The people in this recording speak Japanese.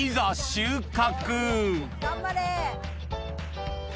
収穫！